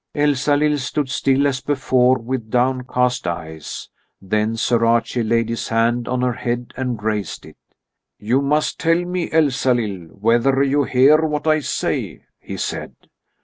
'" Elsalill stood still as before with downcast eyes. Then Sir Archie laid his hand on her head and raised it. "You must tell me, Elsalill, whether you hear what I say," he said.